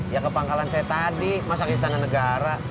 ya ke pangkalan saya tadi masak istana negara